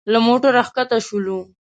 له موټره ښکته شولو.